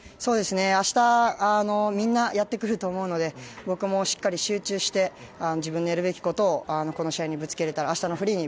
明日、みんなやってくると思うので僕もしっかり集中して自分のやるべきことをこの試合にぶつけられたら明日のフリーに